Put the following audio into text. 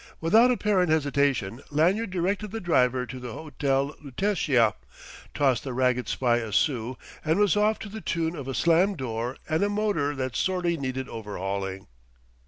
Without apparent hesitation Lanyard directed the driver to the Hotel Lutetia, tossed the ragged spy a sou, and was off to the tune of a slammed door and a motor that sorely needed overhauling....